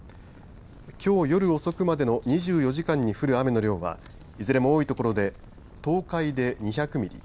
きょう夜遅くまでの２４時間に降る雨の量はいずれも多い所で東海で２００ミリ